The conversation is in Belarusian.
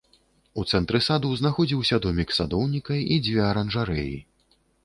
У цэнтры саду знаходзіўся домік садоўніка і дзве аранжарэі.